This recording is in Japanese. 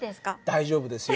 大丈夫ですよ。